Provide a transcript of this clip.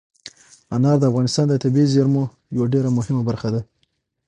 انار د افغانستان د طبیعي زیرمو یوه ډېره مهمه برخه ده.